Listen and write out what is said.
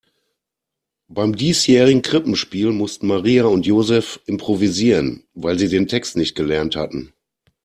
Beim diesjährigen Krippenspiel mussten Maria und Joseph improvisieren, weil sie den Text nicht gelernt hatten.